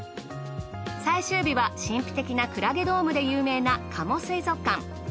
最終日は神秘的なクラゲドームで有名な加茂水族館。